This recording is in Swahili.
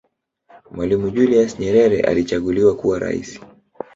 mwalimu julius yerere alichaguliwa kuwa raisi